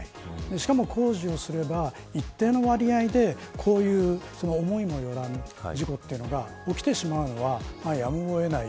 しかも工事をすれば一定の割合でこういった思いもよらぬ事故が起きてしまうというのはやむを得ない。